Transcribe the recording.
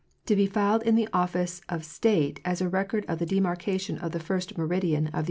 to be filed in the office of state as a record of the demarcation of the 1". meridian of the U.